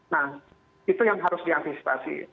nah itu yang harus diantisipasi